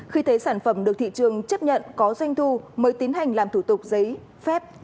khi thấy sản phẩm được thị trường chấp nhận có doanh thu mới tiến hành làm thủ tục giấy phép